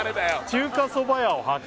「中華そば屋を発見」